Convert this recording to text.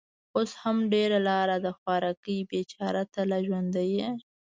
اوس هم ډېره لار ده. خوارکۍ، بېچاره، ته لا ژوندۍ يې؟